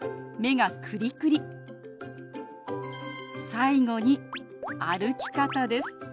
最後に歩き方です。